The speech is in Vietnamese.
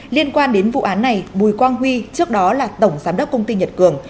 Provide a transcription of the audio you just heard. liên quan đến vụ án này bùi quang huy trước đó là tổng giám đốc công ty nhật cường